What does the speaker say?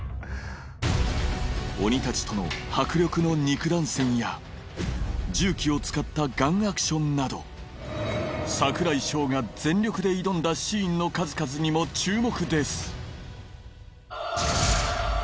鬼たちとの銃器を使ったガンアクションなど櫻井翔が全力で挑んだシーンの数々にも注目です